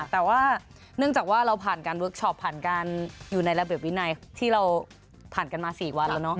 แต่ว่าเนื่องจากว่าเราผ่านการเวิร์คชอปผ่านการอยู่ในระเบียบวินัยที่เราผ่านกันมา๔วันแล้วเนาะ